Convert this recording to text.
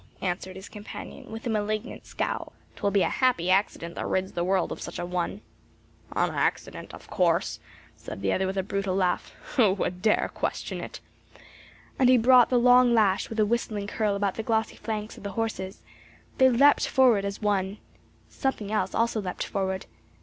answered his companion with a malignant scowl. "'Twill be a happy accident that rids the world of such an one." "An accident of course," said the other with a brutal laugh. "Who would dare question it?" And he brought the long lash with a whistling curl about the glossy flanks of the horses; they leapt forward as one. Something else also leapt forward.